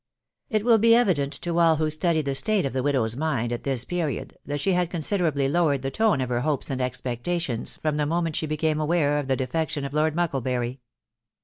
It will be evident to all who study the state of the wsatar'i mind at this period, that she had considerably lowered she tone of her hopes and expectations from the moment she hnmmr aware of the defection of Lord Mucklebury.